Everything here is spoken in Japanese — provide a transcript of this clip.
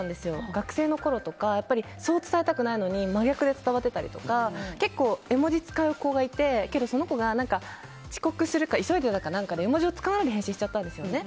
学生のころとかそう伝えたくないのに真逆で伝わっていたりとか結構、絵文字を使う子がいてけど、その子が急いでいたか何かで絵文字を使わないで返信しちゃったんですね。